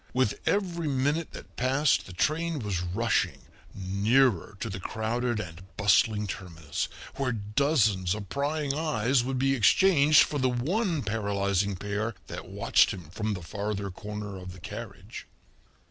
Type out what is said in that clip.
With every minute that passed the train was rushing nearer to the crowded and bustling terminus, where dozens of prying eyes would be exchanged for the one paralyzing pair that watched him from the farther corner of the carriage.